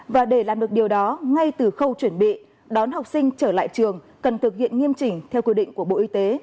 và để làm được điều đó ngay từ khâu chuẩn bị đón học sinh trở lại trường cần thực hiện nghiêm chỉnh theo quy định của bộ y tế